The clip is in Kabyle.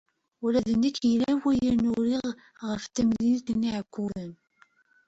Ula d nekk yella wayen uriɣ ɣef temlilit n Yiɛekkuren.